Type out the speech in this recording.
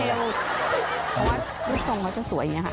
เพราะว่ารูปทรงเขาจะสวยอย่างนี้ค่ะ